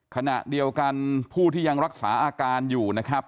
ขณะเดียวกันผู้ที่ยังรักษาอาการอยู่นะครับ